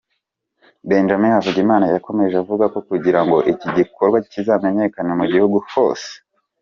Benjamin Havugimana yakomeje avuga ko kugira ngo iki gikorwa kizamenyekane mu gihugu hose